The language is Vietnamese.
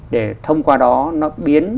để thông qua đó nó biến